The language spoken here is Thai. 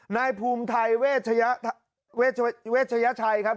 นายภูมิไทยเวชยชัยครับ